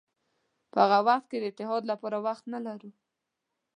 په هغه وخت کې د اتحاد لپاره وخت نه لرو.